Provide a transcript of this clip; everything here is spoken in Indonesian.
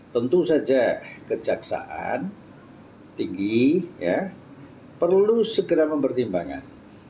tentu saja kejaksaan tinggi perlu segera mempertimbangkan